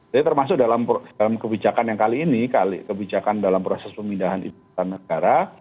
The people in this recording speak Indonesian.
jadi termasuk dalam kebijakan yang kali ini kebijakan dalam proses pemindahan ibu kota negara